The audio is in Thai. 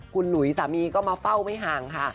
คุณหลุยสามีก็มาเฝ้าไม่ห่างค่ะ